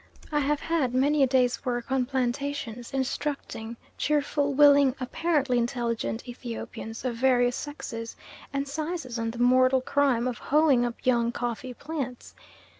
I have had many a day's work on plantations instructing cheerful, willing, apparently intelligent Ethiopians of various sexes and sizes on the mortal crime of hoeing up young coffee plants.